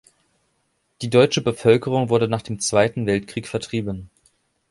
Die deutsche Bevölkerung wurde nach dem Zweiten Weltkrieg vertrieben.